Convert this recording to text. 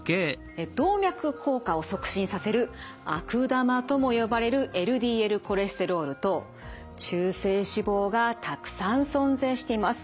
動脈硬化を促進させる悪玉とも呼ばれるＬＤＬコレステロールと中性脂肪がたくさん存在しています。